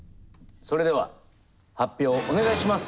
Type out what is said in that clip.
それでは発表お願いします。